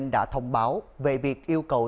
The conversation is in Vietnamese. đã thông báo về việc yêu cầu